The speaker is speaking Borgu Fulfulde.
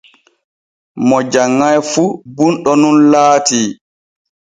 Mo janŋai fu bunɗo nun laati.